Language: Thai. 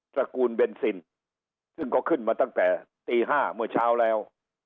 ระกูลเบนซินซึ่งก็ขึ้นมาตั้งแต่ตี๕เมื่อเช้าแล้ว